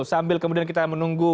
sambil kemudian kita menunggu